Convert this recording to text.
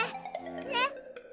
ねっ！